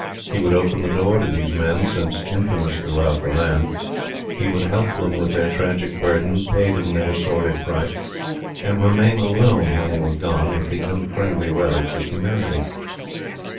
He would open the door to these men, since infamous throughout the land. He would help them with their tragic burden, pay them their sordid price, and remain alone, when they were gone, with the unfriendly relics of humanity.